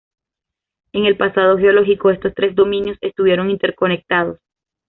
En el pasado geológico estos tres Dominios estuvieron interconectados.